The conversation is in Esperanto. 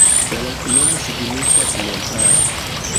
La loknomo signifas: montaro.